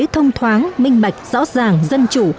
thông thoáng minh bạch rõ ràng dân chủ